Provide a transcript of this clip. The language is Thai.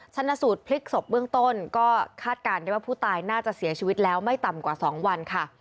ชนะสูตรพลิกศพเบื้องต้นก็คาดการณ์ได้ว่าผู้ตายน่าจะเสียชีวิตแล้วไม่ต่ำกว่า๒วันค่ะ